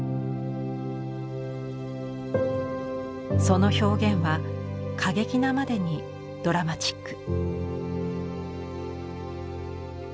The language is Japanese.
その表現は過激なまでにドラマチック。